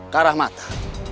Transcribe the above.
ke arah mata